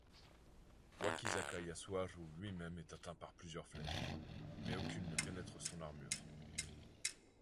Wakizaka Yasuharu lui-même est atteint par plusieurs flèches, mais aucune ne pénètre son armure.